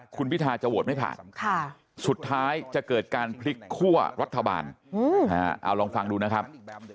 คุณพิทาจะโหวตไม่ผ่านสุดท้ายจะเกิดการพลิกคั่วรัฐบาลเอาลองฟังดูนะครับ